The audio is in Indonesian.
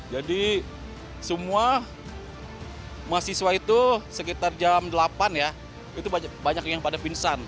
jadi semua mahasiswa itu sekitar jam delapan ya itu banyak yang pada pingsan